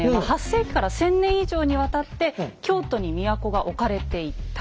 ８世紀から１，０００年以上にわたって京都に都が置かれていた。